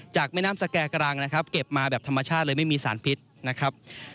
แม่น้ำสแก่กลางนะครับเก็บมาแบบธรรมชาติเลยไม่มีสารพิษนะครับ